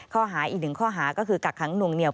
ข้อหาอีกหนึ่งข้อหาก็คือกักขังหน่วงเหนีย